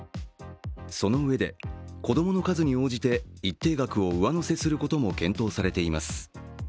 そのうえで、子供の数に応じて一定額を上乗せすることも検討されています。